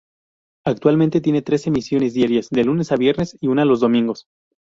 Actualmente tiene tres emisiones diarias de lunes a viernes y una los domingos.